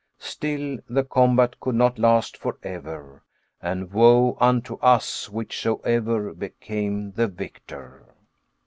Still the combat could not last forever; and woe unto us, whichsoever became the victor.